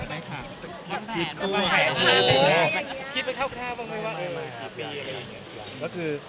ไม่ได้ค่ะแต่แค่ความแผน